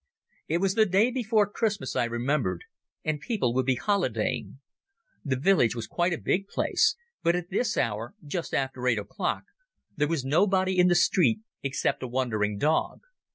It was the day before Christmas, I remembered, and people would be holidaying. The village was quite a big place, but at this hour—just after eight o'clock—there was nobody in the street except a wandering dog.